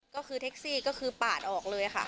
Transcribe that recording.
ก็คือเท็กซี่ก็คือปาดออกเลยค่ะ